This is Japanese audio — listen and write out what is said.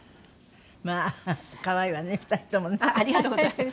まあ可愛いわね２人ともね。ありがとうございます。